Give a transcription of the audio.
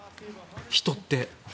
人って。